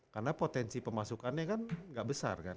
karena potensi pemasukannya kan gak besar kan